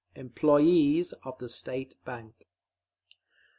EMPLOYEES OF THE STATE BANK.